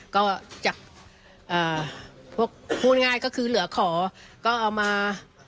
ก็จากพวกพูดง่ายก็คือเหลือขอก็เอามา